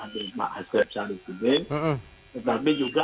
atau tidak saya salah dengan cara pdip yang ingin menangani masalah ini secara hukum